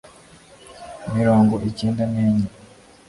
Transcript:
mirongo icyenda n'enye